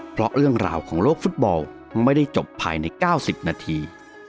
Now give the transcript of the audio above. เพราะเรื่องราวของโลกฟุตบอลไม่ได้จบภายใน๙๐นาที